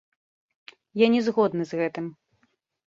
Я не згодны з гэтым.